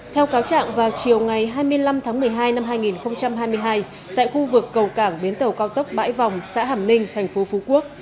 theo cáo trạng vào chiều ngày hai mươi năm tháng một mươi hai năm hai nghìn hai mươi hai tại khu vực cầu cảng biến tàu cao tốc bãi vòng xã hàm ninh thành phố phú quốc